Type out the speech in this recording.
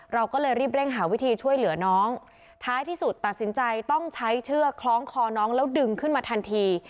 เราก็เลยรีบเร่งหาวิธีช่วยเหลือน้องท้ายที่สุดตัดสินใจต้องใช้เชือกคล้องคอน้องแล้วดึงขึ้นมาทันที